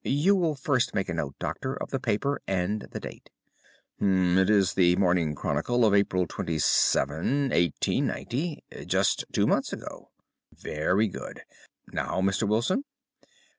You will first make a note, Doctor, of the paper and the date." "It is The Morning Chronicle of April 27, 1890. Just two months ago." "Very good. Now, Mr. Wilson?"